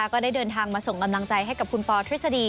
ก็ได้เดินทางมาส่งกำลังใจให้กับคุณปอทฤษฎี